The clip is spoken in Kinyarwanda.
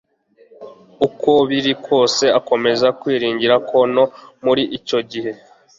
uko biri kose akomeza kwiringira ko no muri icyo gihe,